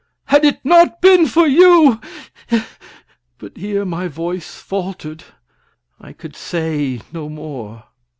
Had it not been for you " But here my voice faltered. I could say no more.